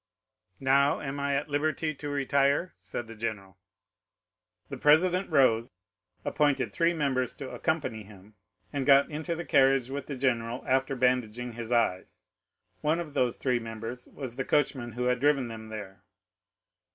"'"Now am I at liberty to retire?" said the general. The president rose, appointed three members to accompany him, and got into the carriage with the general after bandaging his eyes. One of those three members was the coachman who had driven them there.